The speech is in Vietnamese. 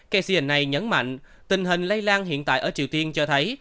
knca nhấn mạnh tình hình lây lan hiện tại ở triều tiên cho thấy